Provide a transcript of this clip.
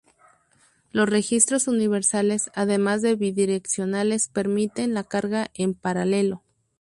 Los registros universales, además de bidireccionales permiten la carga en paralelo.